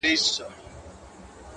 د سترگو سرو لمبو ته دا پتنگ در اچوم؛